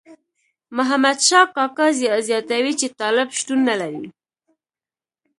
محمد شاه کاکا زیاتوي چې طالب شتون نه لري.